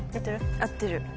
合ってる？